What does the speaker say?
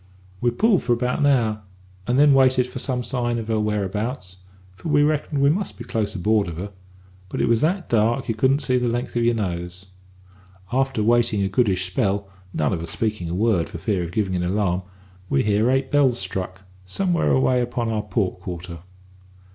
"We pulled for about an hour, and then waited for some sign of her whereabouts for we reckoned we must be close aboard of her but it was that dark you couldn't see the length of your nose. After waiting a goodish spell none of us speaking a word for fear of giving an alarm we hears eight bells struck, somewhere away upon our port quarter.